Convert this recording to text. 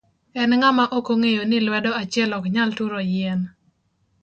En ng'ama ok ong'eyo ni lwedo achiel ok nyal turo yien?